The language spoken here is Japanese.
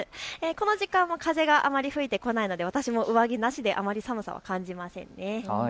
この時間、風があまり吹いてこないので上着なしであまり寒さを感じません。